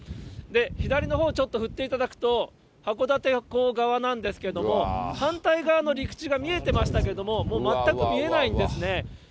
左のほう、ちょっと振っていただくと、函館港側なんですけども、反対側の陸地が見えてましたけども、全く見えないんですね。